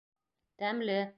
-Тәмле.